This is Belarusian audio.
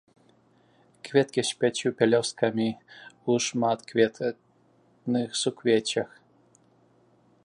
Кветкі з пяццю пялёсткамі, у шматкветных суквеццях.